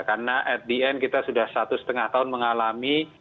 karena at the end kita sudah satu setengah tahun mengalami